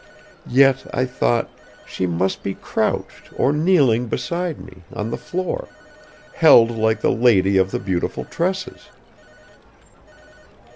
Yet, I thought, she must be crouched or kneeling beside me, on the floor, held like the Lady of the Beautiful Tresses.